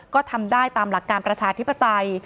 ก็ทำได้ตามหลักการประชาธิปไตย